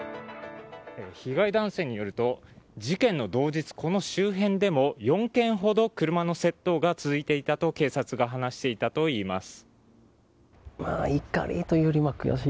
被害男性によると事件の同日、この周辺でも４件ほど車の窃盗が続いていたと警察が話していたといいます。